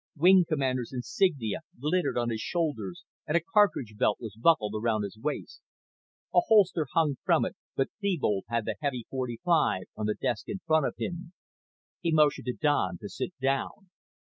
Wing commander's insignia glittered on his shoulders and a cartridge belt was buckled around his waist. A holster hung from it but Thebold had the heavy .45 on the desk in front of it. He motioned to Don to sit down.